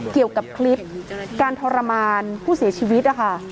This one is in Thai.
เกี่ยวกับคลิปการทรมานผู้เสียชีวิตนะคะ